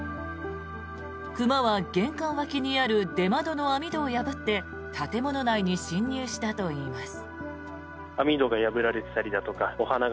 熊は玄関脇にある出窓の網戸を破って建物内に侵入したといいます。